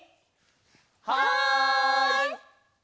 はい！